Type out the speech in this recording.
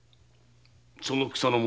その草の者